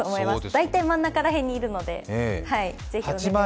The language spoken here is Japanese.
大体、真ん中ら辺にいるのでぜひお願いします。